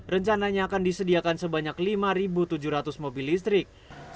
rencananya akan disediakan sebanyak lima tujuh ratus mobil listrik